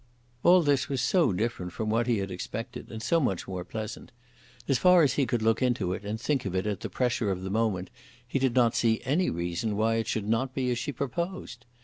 All this was so different from what he had expected, and so much more pleasant! As far as he could look into it and think of it at the pressure of the moment he did not see any reason why it should not be as she proposed.